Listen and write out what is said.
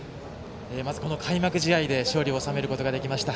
まず、この開幕試合で勝利を収めることができました。